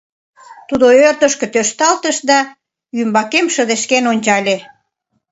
Тудо ӧрдыжкӧ тӧршталтыш да ӱмбакем шыдешкен ончале.